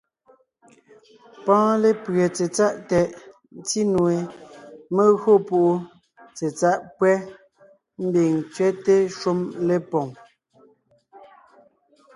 Pɔ́ɔn lépʉe tsetsáʼ tɛʼ, ńtí nue, mé gÿo púʼu tsetsáʼ pÿɛ́, ḿbiŋ ńtsẅɛ́te shúm lépoŋ.